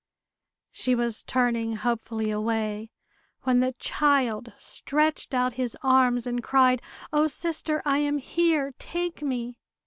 She was turning hopefully away, when the child stretched out his arms, and cried, "O, sister, I am here! Take me!"